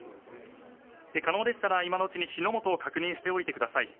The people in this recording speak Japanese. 可能でしたら、今のうちに火の元を確認しておいてください。